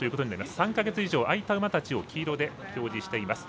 ３か月以上空いた馬たちを黄色で表示しています。